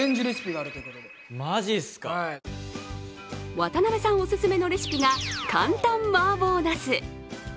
渡辺さんおすすめのレシピが簡単麻婆茄子。